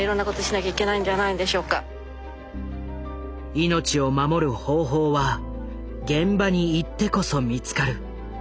命を守る方法は現場に行ってこそ見つかる。